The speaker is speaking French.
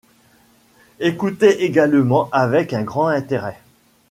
écoutaient également avec un grand intérêt.